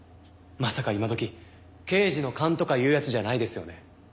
まさか今どき刑事の勘とかいうやつじゃないですよね？